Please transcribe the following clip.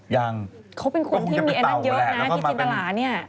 ยังจะเป็นเป๋าแหละแล้วก็มาเป็น